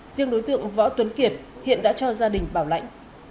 riêng đối tượng võ tuấn kiệt hiện đã cho gia đình bảo lãnh